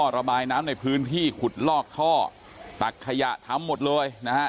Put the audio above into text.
ระบายน้ำในพื้นที่ขุดลอกท่อตักขยะทำหมดเลยนะฮะ